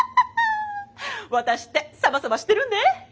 ワタシってサバサバしてるんで！